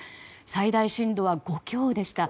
最大震度は５強でした。